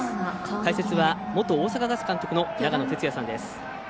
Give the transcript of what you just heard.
解説は元大阪ガス監督の長野哲也さんです。